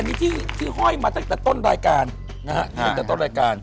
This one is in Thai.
อันนี้ที่ห้อยมาตั้งแต่ต้นรายการนะฮะตั้งแต่ต้นรายการ